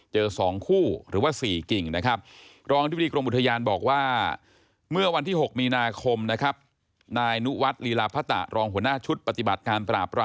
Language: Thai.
เจอสองคู่หรือว่าสี่กิ่งนะครับ